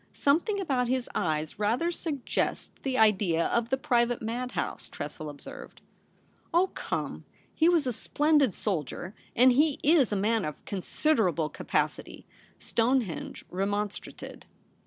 ' Something about his eyes rather suggests the idea of the private madhouse,' Tressel observed. ' Oh, come ! he was a splendid soldier, and he Is a man of considerable capacity,' Stone henge remonstrated.